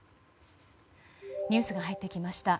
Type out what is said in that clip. ニュースが入ってきました。